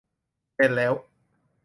เป็นแล้ว